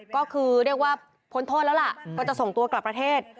ก็คือเรียกว่าพ้นโทษแล้วล่ะก็จะส่งตัวกลับประเทศ